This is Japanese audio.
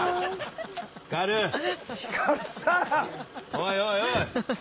おいおいおい！